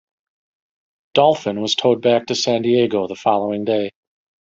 "Dolphin" was towed back to San Diego the following day.